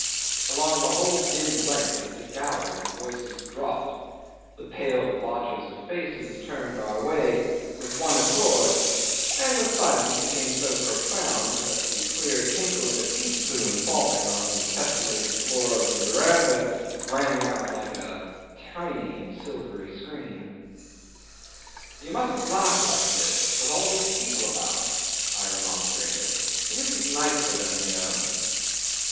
Along the whole dim length of the gallery the voices dropped, the pale blotches of faces turned our way with one accord, and the silence became so profound that the clear tinkle of a teaspoon falling on the tesselated floor of the verandah rang out like a tiny and silvery scream. '"You mustn't laugh like this, with all these people about," I remonstrated. "It isn't nice for them, you know."